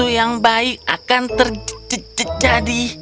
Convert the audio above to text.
yang baik akan terjadi